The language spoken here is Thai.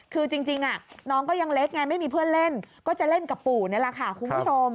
คือจริงน้องก็ยังเล็กไงไม่มีเพื่อนเล่นก็จะเล่นกับปู่นี่แหละค่ะคุณผู้ชม